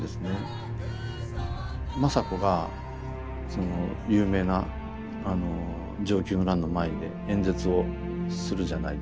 政子がその有名なあの承久の乱の前で演説をするじゃないですか。